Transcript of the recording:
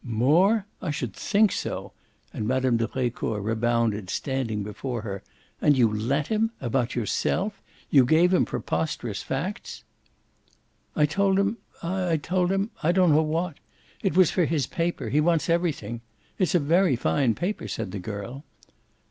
"MORE? I should think so!" And Mme. de Brecourt rebounded, standing before her. "And you LET him about yourself? You gave him preposterous facts?" "I told him I told him I don't know what. It was for his paper he wants everything. It's a very fine paper," said the girl.